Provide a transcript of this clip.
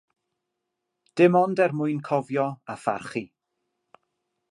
Dim ond er mwyn cofio a pharchu.